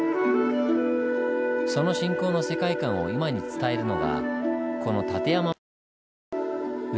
その信仰の世界観を今に伝えるのがこの立山曼荼羅図。